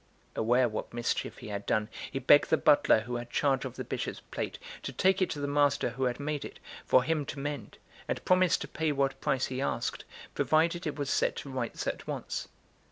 Aware what mischief he had done, he begged the butler who had charge of the Bishop's plate to take it to the master who had made it, for him to mend, and promised to pay what price he asked, provided it was set to rights at once.